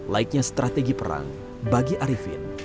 laiknya strategi perang bagi arifin